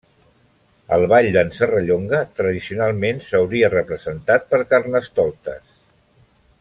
El Ball d'en Serrallonga tradicionalment s'hauria representat per Carnestoltes.